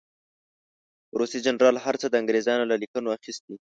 روسي جنرال هر څه د انګرېزانو له لیکنو اخیستي.